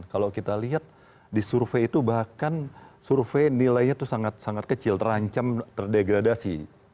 kalau kita lihat di survei itu bahkan survei nilainya itu sangat sangat kecil terancam terdegradasi